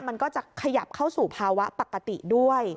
มันก็จะขยับเข้าสู่ภาวะปกติด้วย